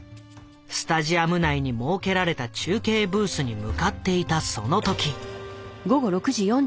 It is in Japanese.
スタジアム内に設けられた中継ブースに向かっていたその時。